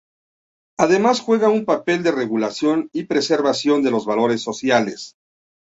Además, juega un papel de regulación y preservación de los valores sociales.